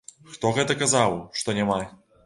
Хто гэта казаў, што няма?!